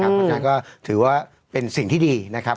เพราะฉะนั้นก็ถือว่าเป็นสิ่งที่ดีนะครับ